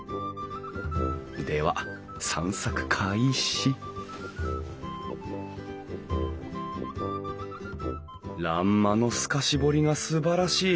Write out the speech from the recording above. では散策開始欄間の透かし彫りがすばらしい！